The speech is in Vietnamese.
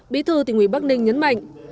bí thư tỉnh bắc ninh nhấn mạnh